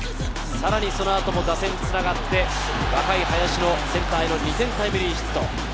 そのあとも打線がつながって、林のセンターへの２点タイムリーヒット。